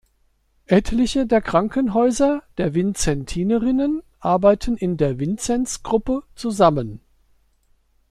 Etliche der Krankenhäuser der Vinzentinerinnen arbeiten in der Vinzenz Gruppe zusammen.